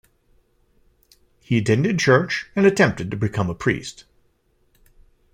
He attended church and attempted to become a priest.